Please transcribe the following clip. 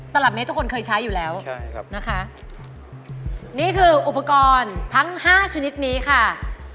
ตลับเมตรทุกคนเคยใช้อยู่แล้วใช่ครับนะคะนี่คืออุปกรณ์ทั้งห้าชนิดนี้ค่ะ